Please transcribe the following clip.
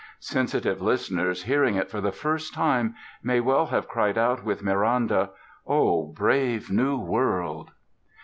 Sensitive listeners hearing it for the first time may well have cried out with Miranda: "O brave new world!"